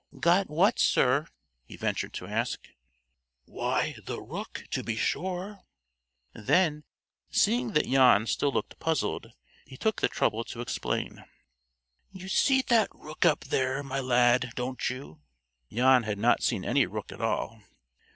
"Got what, sir?" he ventured to ask. "Why, the rook, to be sure." Then, seeing that Jan still looked puzzled, he took the trouble to explain. "You see that rook up there, my lad, don't you?" Jan had not seen any rook at all!